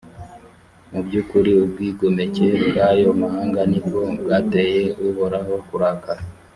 mu by’ukuri, ubwigomeke bw’ayo mahanga ni bwo bwateye uhoraho kurakara.